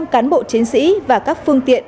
bốn mươi năm cán bộ chiến sĩ và các phương tiện